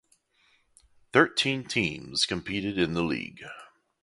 Thirteen teams competed in the league.